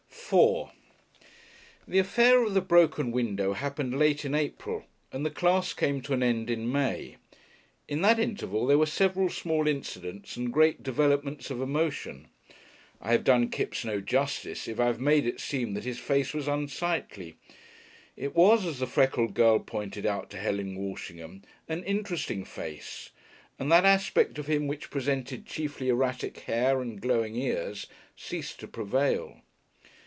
§4 The affair of the broken window happened late in April, and the class came to an end in May. In that interval there were several small incidents and great developments of emotion. I have done Kipps no justice if I have made it seem that his face was unsightly. It was, as the freckled girl pointed out to Helen Walshingham, an "interesting" face, and that aspect of him which presented chiefly erratic hair and glowing ears ceased to prevail.